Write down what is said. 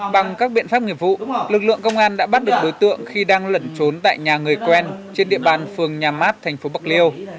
bằng các biện pháp nghiệp vụ lực lượng công an đã bắt được đối tượng khi đang lẩn trốn tại nhà người quen trên địa bàn phường nhà mát thành phố bạc liêu